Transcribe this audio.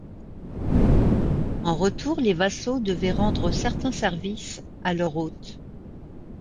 En retour, les vassaux devaient rendre certains services à leur hôte.